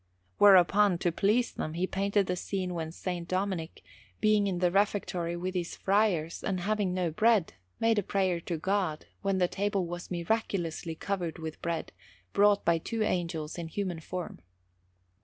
Whereupon, to please them, he painted the scene when S. Dominic, being in the refectory with his friars and having no bread, made a prayer to God, when the table was miraculously covered with bread, brought by two angels in human form.